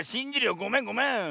ごめんごめん。